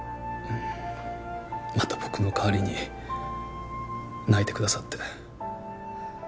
また僕の代わりに泣いてくださって。